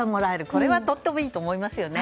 これはとてもいいと思いますよね。